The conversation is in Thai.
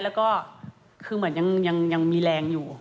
แล้วก็คือเหมือนยังมีแรงอยู่